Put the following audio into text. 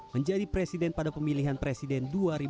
menjadi presiden pada pemilihan presiden dua ribu dua puluh empat